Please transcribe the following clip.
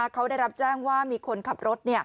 เขาได้รับแจ้งว่ามีคนขับรถ